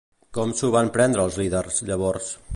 Com s'ho van prendre els líders, llavors?